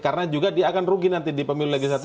karena juga dia akan rugi nanti di pemilih legislatifnya